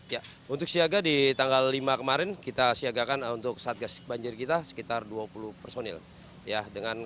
ya untuk siaga di tanggal lima kemarin kita siagakan untuk satgas banjir kita sekitar dua puluh personil